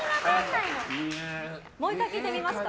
もう１回、聞いてみますか？